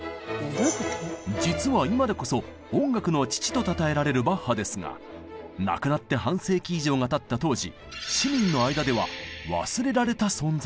実は今でこそ「音楽の父」とたたえられるバッハですが亡くなって半世紀以上がたった当時市民の間ではえぇ！